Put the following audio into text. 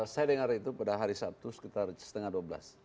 saya dengar itu pada hari sabtu sekitar setengah dua belas